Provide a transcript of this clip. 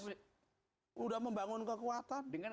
sudah membangun kekuatan